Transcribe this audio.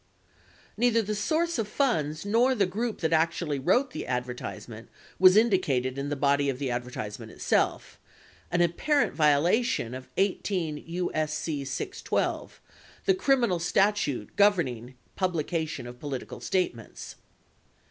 Neither the source of funds nor the group that actually wrote the advertisement was indicated in the body of the advertisement itself, an apparent violation of 18 U.S.C. 612, the criminal statute governing publication of political statements.